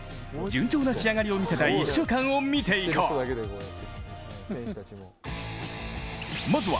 順調な仕上がりを見せた１週間を見ていこう。